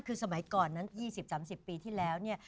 คือสมัยก่อนนั้น๒๐๓๐ปีที่แล้วเนี่ย